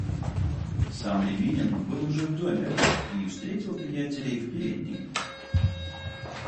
Сам Рябинин был уже в доме и встретил приятелей в передней.